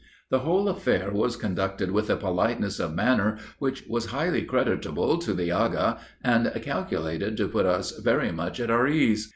The whole affair was conducted with a politeness of manner which was highly creditable to the Agha, and calculated to put us very much at our ease.